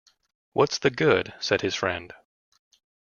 “What’s the good?” said his friend.